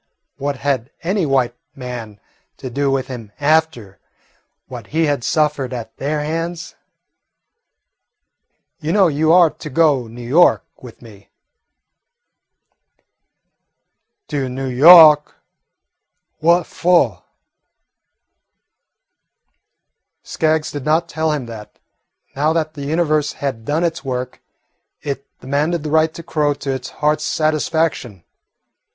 What had any white man to do with him after what he had suffered at their hands? "You know you are to go New York with me?" "To New Yawk? What fu'?" Skaggs did not tell him that, now that the Universe had done its work, it demanded the right to crow to its heart's satisfaction.